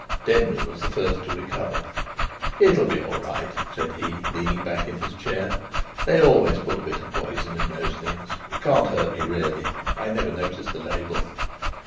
Denry was the first to recover. "It'll be all right," said he, leaning back in his chair. "They always put a bit of poison in those things. It can't hurt me, really. I never noticed the label."